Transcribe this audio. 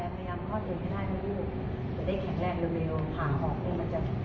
พยายามทอดเองให้ได้ไม่รู้จะได้แข็งแรงเริ่มเร็วผ่าออกเองมันจะ